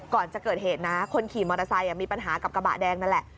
ก่อนจะเกิดเหตุนะคนขี่มอเตอร์ไซค์มีปัญหากับกระบะแดงนั่นแหละ